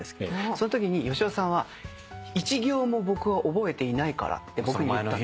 そのときに芳雄さんは「１行も僕は覚えていないから」って僕に言ったんです。